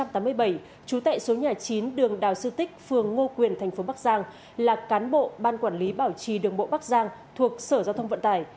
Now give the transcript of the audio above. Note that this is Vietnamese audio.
trú tại số nhà chín đường đào sư tích phường ngô quyền thành phố bắc giang là cán bộ ban quản lý bảo trì đường bộ bắc giang thuộc sở giao thông vận tải